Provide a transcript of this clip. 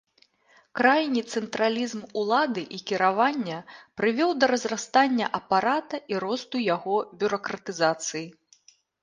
Крайні цэнтралізм улады і кіравання прывёў да разрастання апарата і росту яго бюракратызацыі.